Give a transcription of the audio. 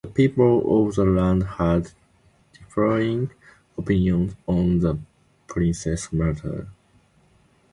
The people of the land had differing opinions on the princess' matter.